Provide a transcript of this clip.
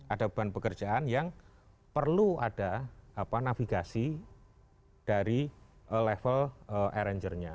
ada beban pekerjaan yang perlu ada navigasi dari level arrangernya